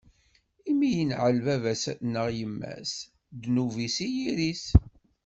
Imi i yenɛel baba-s neɣ yemma-s, ddnub-is i yiri-s.